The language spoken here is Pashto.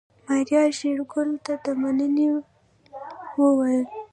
ماريا شېرګل ته د مننې وويل.